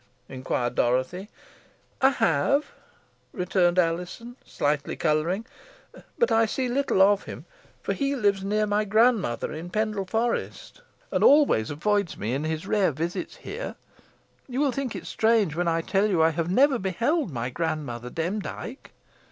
inquired Dorothy. "I have," returned Alizon, slightly colouring; "but I see little of him, for he lives near my grandmother, in Pendle Forest, and always avoids me in his rare visits here. You will think it strange when I tell you I have never beheld my grandmother Demdike."